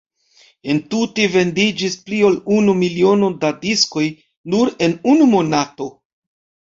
Entute vendiĝis pli ol unu miliono da diskoj nur en unu monato.